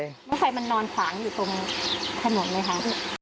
บ้างไฟมันนอนขวางอยู่ตรงถนนเลยค่ะ